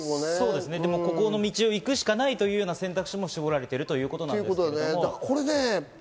でも、この道を行くしかないという選択肢も絞られているということです。